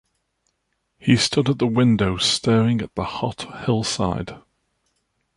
He stood at the window staring at the hot hillside.